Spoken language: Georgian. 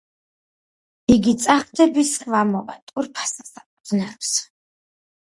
იგი წახდების, სხვა მოვა ტურფასა საბაღნაროსა;